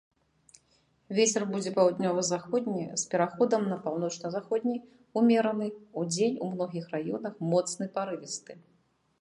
Вецер будзе паўднёва-заходні з пераходам на паўночна-заходні ўмераны, удзень у многіх раёнах моцны парывісты.